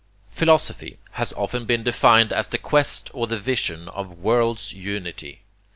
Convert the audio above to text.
Philosophy has often been defined as the quest or the vision of the world's unity.